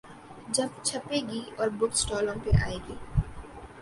جب چھپے گی اور بک سٹالوں پہ آئے گی۔